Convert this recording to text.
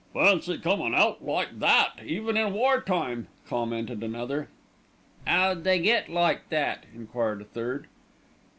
"Fancy comin' out like that, even in wartime," commented another. "'Ow'd they get like that?" enquired a third.